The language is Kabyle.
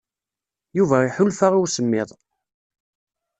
Yuba iḥulfa i usemmiḍ.